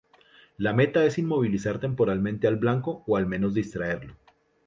La meta es inmovilizar temporalmente al blanco, o al menos distraerlo.